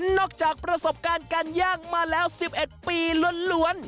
จากประสบการณ์การย่างมาแล้ว๑๑ปีล้วน